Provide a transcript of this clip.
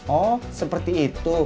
oh seperti itu